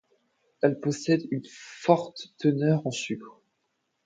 Elle possède une forte teneur en sucre.